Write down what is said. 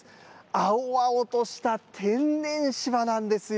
青々とした天然芝なんですよ。